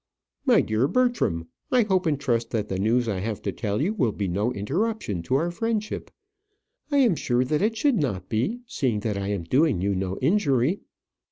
My dear Bertram, I hope and trust that the news I have to tell you will be no interruption to our friendship. I am sure that it should not be, seeing that I am doing you no injury.